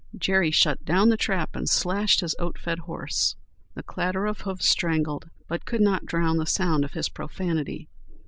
Jerry shut down the trap and slashed his oat fed horse. The clatter of hoofs strangled but could not drown the sound of his profanity.